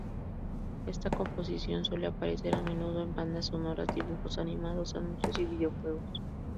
Esta composición suele aparecer a menudo en bandas sonoras, dibujos animados, anuncios y videojuegos.